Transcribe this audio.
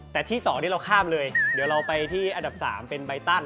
แต่ที่๒ที่เราข้ามเลยเดี๋ยวเราไปที่อันดับ๓เป็นใบตัน